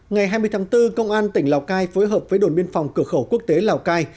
ngày hai mươi tháng bốn công an tỉnh lào cai phối hợp với đồn biên phòng cửa khẩu quốc tế lào cai